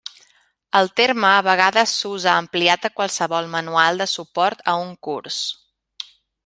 El terme a vegades s'usa ampliat a qualsevol manual de suport a un curs.